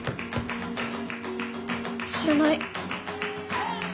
知らない。